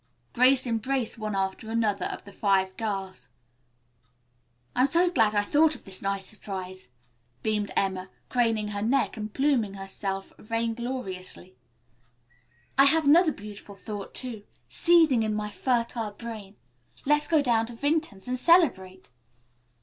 Grace embraced one after another of the five girls. "I'm so glad I thought of this nice surprise," beamed Emma, craning her neck, and pluming herself vaingloriously. "I have another beautiful thought, too, seething in my fertile brain. Let's go down to Vinton's and celebrate."